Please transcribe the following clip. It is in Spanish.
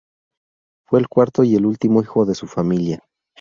Fue el cuarto y último hijo de su familia.